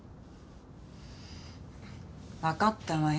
わかったわよ。